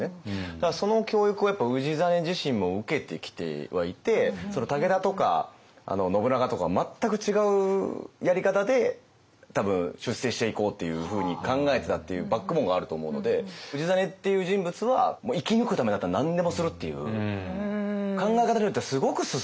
だからその教育をやっぱ氏真自身も受けてきてはいて武田とか信長とか全く違うやり方で多分出世していこうというふうに考えてたっていうバックボーンがあると思うので氏真っていう人物は考え方によってはなるほど。